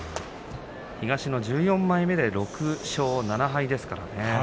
東の１４枚目で６勝７敗ですからね。